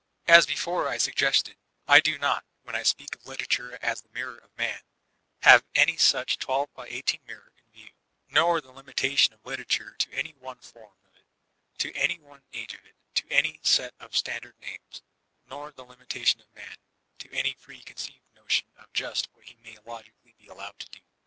As before suggested, I do not, when I speak of litera ture as the Mirror of Man, have any such iaxi8 mirror in view; nor the limitation of literature to any one form of it, to any one age of it, to any set of stan dard names; nor the limitation of Man to any pre conceived notion of just what he may fcgicaily be allowed to be.